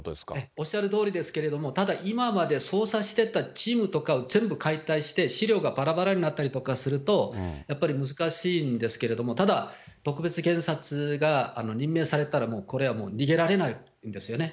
おっしゃるとおりですけど、ただ今まで捜査してたチームとかを全部解体して、資料がばらばらになったりとかすると、やっぱり難しいんですけれども、ただ特別検察が任命されたら、これはもう逃げられないんですよね。